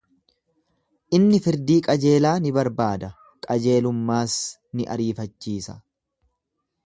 Inni firdii qajeelaa in barbaada, qajeelummaas ni ariifachiisa.